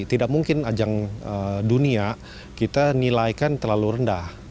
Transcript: tidak mungkin ajang dunia kita nilaikan terlalu rendah